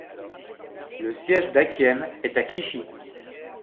Le siège d'Akiem est à Clichy.